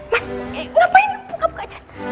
mas ngapain buka buka